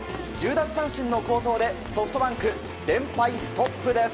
１０奪三振の好投でソフトバンク、連敗ストップです。